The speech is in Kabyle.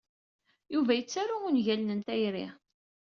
Yuba yettaru ungalen n tayri.